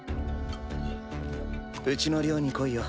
うちの寮に来いよ。